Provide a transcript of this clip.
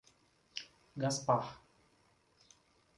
Gaspar